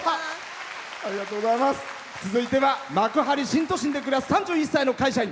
続いては幕張新都心で暮らす３１歳の会社員。